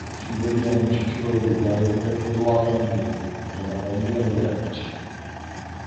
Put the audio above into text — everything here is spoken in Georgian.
ჩნდებიან უშიშროების ძალები და სილვა აყვანილია და გადაყვანილია ბრიტანეთში.